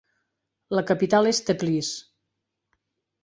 La capital és Teplice.